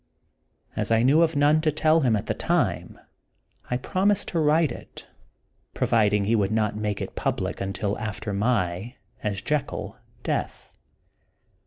As I knew of none to tell him at the time, I promised to write it, pro viding he would not make it public until after my (as Jekyll) death.